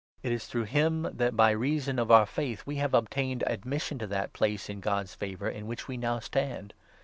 It is through 2 Bal' him that, by reason of our faith, we have ob tained admission to that place in God's favour in which we now stand.